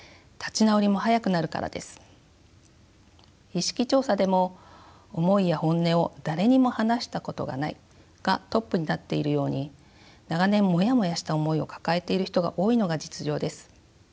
意識調査でも思いや本音を誰にも話したことがないがトップになっているように長年もやもやした思いを抱えている人が多いのが実情です。